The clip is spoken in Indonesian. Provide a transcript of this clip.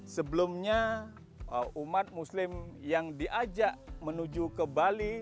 sebelumnya umat muslim yang diajak menuju ke bali